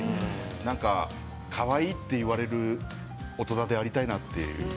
なんか、かわいいって言われる大人でありたいなっていう。